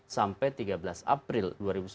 sampai tiga belas april dua ribu sembilan belas